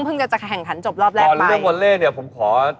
ซึ่งออกเฉลี่ยแล้วว่าน่ารักหมด